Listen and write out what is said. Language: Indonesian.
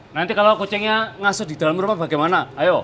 nanti kalau kucingnya ngasuh di dalam rumah bagaimana ayo